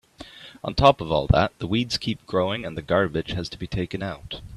On top of all that, the weeds keep growing and the garbage has to be taken out.